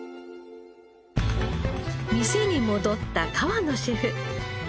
店に戻った河野シェフ。